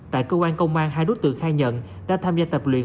tại cơ quan công an hai đối tượng khai nhận đã tham gia tập luyện